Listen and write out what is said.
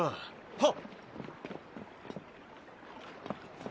はっ！